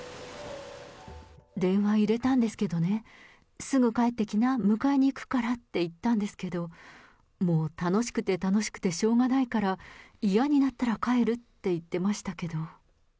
電話入れたんですけどね、すぐ帰ってきな、迎えに行くからって言ったんですけど、もう楽しくて楽しくてしょうがないから、嫌になったら帰るって言ってましたけど。